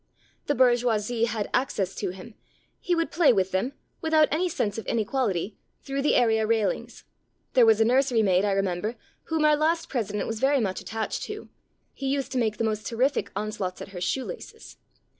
The bourgeoisie had access to him ; he would play with them, without any sense of inequality, through the area railings. There was a nursery maid, I remember, whom our last president was very much attached to. He used to make the most terrific on slaughts at her shoelaces.